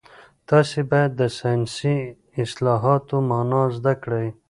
تاسي باید د ساینسي اصطلاحاتو مانا زده کړئ.